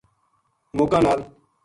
مُکاں نال